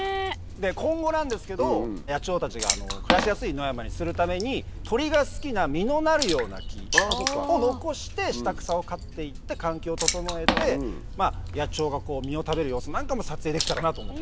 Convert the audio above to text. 今後なんですけど野鳥たちが暮らしやすい野山にするために鳥が好きな実のなるような木を残して下草を刈って行って環境を整えて野鳥が実を食べる様子なんかも撮影できたらなと思ってます。